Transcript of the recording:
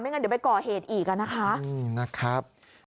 ไม่งั้นเดี๋ยวไปก่อเหตุอีกอ่ะนะคะอืมนะครับ